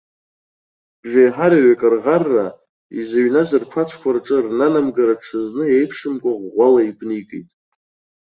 Бжеиҳараҩык рӷарра, изыҩназ рқәацәқәа рҿы рнанамгара ҽазны еиԥшымкәа ӷәӷәала игәнигеит.